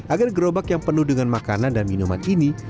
agar gerobak yang penuh dengan makanan dan minuman ini